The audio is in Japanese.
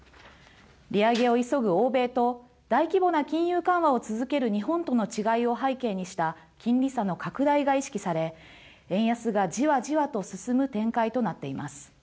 利上げを急ぐ欧米と大規模な金融緩和を続ける日本との違いを背景にした金利差の拡大が意識され円安がじわじわと進む展開となっています。